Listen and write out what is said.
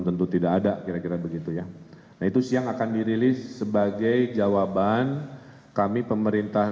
tentu tidak ada kira kira begitu ya nah itu siang akan dirilis sebagai jawaban kami pemerintah